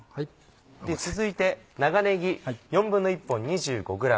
続いて長ねぎ１／４本２５ｇ。